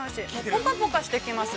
ぽかぽかしてきます。